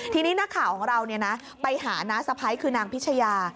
ทีนี้นักข่าวของเราไปหาน้าสะพ้ายคือนางพิชยา